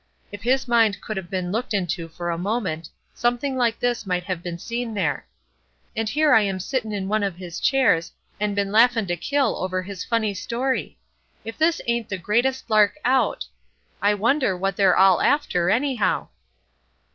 If his mind could have been looked into for a moment something like this might have been seen there: "And here I am sittin' in one of his chairs, and been laughin' to kill over his funny story! If this ain't the greatest lark out! I wonder what they're all after, anyhow!"